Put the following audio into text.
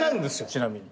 ちなみに。